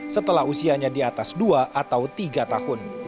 setelah usianya di atas dua atau tiga tahun